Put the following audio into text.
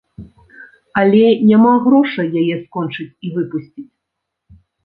Але няма грошай яе скончыць і выпусціць.